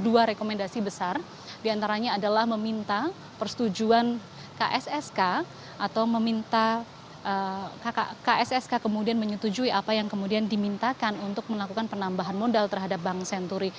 dua rekomendasi besar diantaranya adalah meminta persetujuan kssk atau meminta kssk kemudian menyetujui apa yang kemudian dimintakan untuk melakukan penambahan modal terhadap bank senturi